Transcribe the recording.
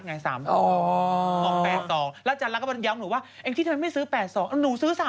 ค่าทำผมไม่น่าจะเหลือ